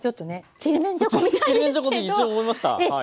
ちりめんじゃこと一瞬思いましたはい。